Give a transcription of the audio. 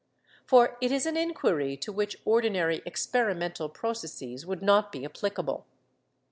For it is an inquiry to which ordinary experimental processes would not be applicable.